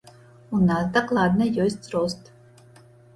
У нас дакладна ёсць рост.